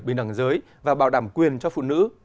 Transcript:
bình đẳng giới và bảo đảm quyền cho phụ nữ